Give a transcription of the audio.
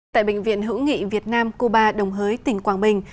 tại bệnh viện hữu nghị việt nam cuba đồng hới tỉnh quảng bình